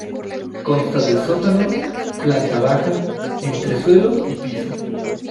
Consta del sótano, planta baja, entresuelo y piso.